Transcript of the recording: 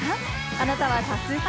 あなたは多数派？